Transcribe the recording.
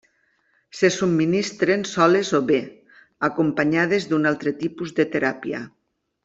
Se subministren soles o bé, acompanyades d'un altre tipus de teràpia.